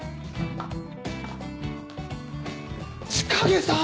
千景さん！